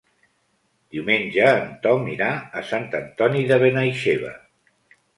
Diumenge en Tom irà a Sant Antoni de Benaixeve.